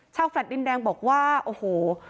แฟลต์ดินแดงบอกว่าโอ้โห